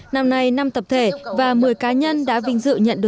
năm nay năm tập thể và một mươi cá nhân đã vinh dựng